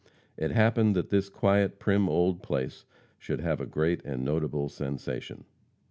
It happened that this quiet, prim old place should have a great and notable sensation.